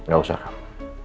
gak usah kamu